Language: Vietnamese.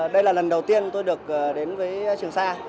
đây là lần đầu tiên tôi được đến với trường sa